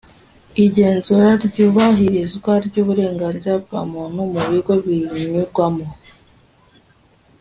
Igenzura ry iyubahirizwa ry uburenganzira bwa Muntu mu Bigo binyurwamo